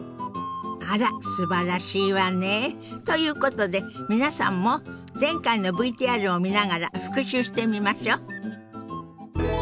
あらすばらしいわね。ということで皆さんも前回のＶＴＲを見ながら復習してみましょ。